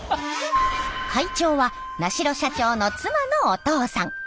会長は名城社長の妻のお父さん。